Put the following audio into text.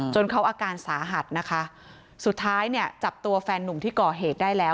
จนเขาอาการสาหัสนะคะสุดท้ายเนี่ยจับตัวแฟนนุ่มที่ก่อเหตุได้แล้ว